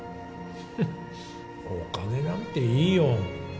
フッお金なんていいよ。